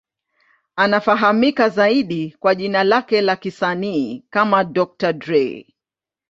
Anafahamika zaidi kwa jina lake la kisanii kama Dr. Dre.